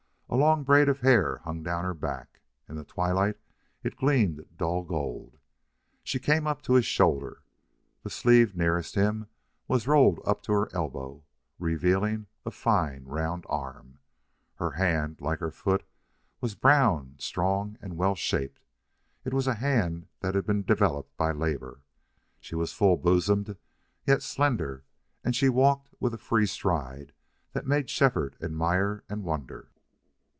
A long braid of hair hung down her back. In the twilight it gleamed dull gold. She came up to his shoulder. The sleeve nearest him was rolled up to her elbow, revealing a fine round arm. Her hand, like her foot, was brown, strong, and well shaped. It was a hand that had been developed by labor. She was full bosomed, yet slender, and she walked with a free stride that made Shefford admire and wonder.